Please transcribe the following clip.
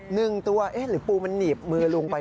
หนึ่งตัวเอ๊ะหรือปูมันหนีบมือลุงไป